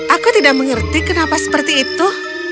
aku tidak mengerti kenapa seperti itu